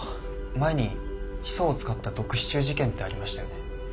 前にヒ素を使った毒シチュー事件ってありましたよね。